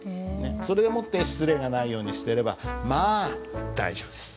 それでもって失礼がないようにしてればまあ大丈夫です。